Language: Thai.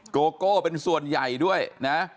โกโก้เป็นส่วนใหญ่ด้วยนะ